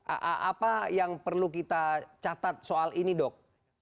apa yang perlu kita catat soal ini dok